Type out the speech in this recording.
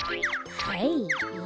はい。